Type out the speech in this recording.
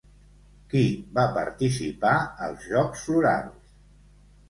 Qui va participar als Jocs Florals?